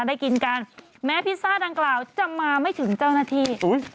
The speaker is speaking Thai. ได้กินกันแม้พิซซ่าดังกล่าวจะมาไม่ถึงเจ้าหน้าที่